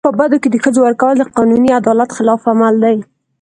په بدو کي د ښځو ورکول د قانوني عدالت خلاف عمل دی.